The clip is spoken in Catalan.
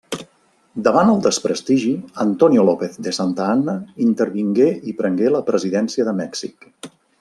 Davant el desprestigi, Antonio López de Santa Anna intervingué i prengué la presidència de Mèxic.